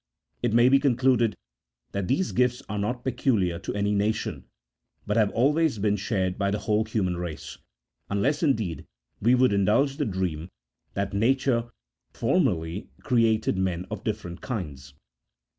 It may be concluded that these gifts are not peculiar to any nation, but have always been shared by the whole human race, unless, indeed, we would indulge the dream that nature formerly 46 A THE0L0GIC0 P0LITICAL TREATISE. [CHAP. III. created men of different kinds.